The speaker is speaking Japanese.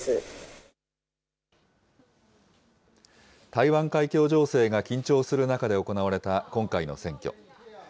台湾海峡情勢が緊張する中で行われた今回の選挙。